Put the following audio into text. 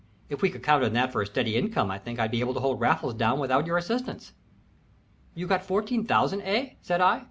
If we could count on that for a steady income I think I'd be able to hold Raffles down without your assistance." "You got fourteen thousand, eh?" said I.